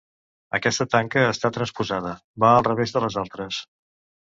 Aquesta tanca està transposada: va al revés de les altres.